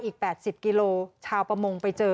อีก๘๐กิโลชาวประมงไปเจอ